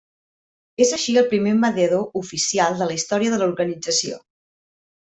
És així el primer mediador oficial de la història de l'organització.